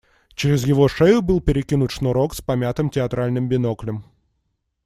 Через его шею был перекинут шнурок с помятым театральным биноклем.